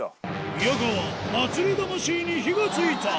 宮川、祭り魂に火がついた。